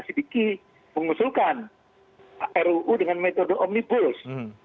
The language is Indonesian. profesor jimi asipiki mengusulkan ruu dengan metode omnibus